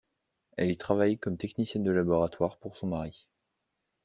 Elle y travaille comme technicienne de laboratoire pour son mari.